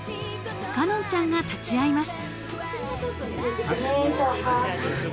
［海音ちゃんが立ち会います］